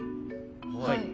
はい。